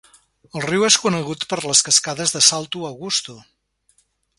El riu és conegut per les cascades de Salto Augusto.